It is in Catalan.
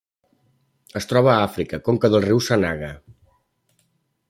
Es troba a Àfrica: conca del riu Sanaga.